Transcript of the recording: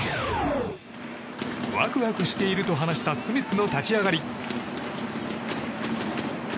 ワクワクしていると話したスミスの立ち上がり。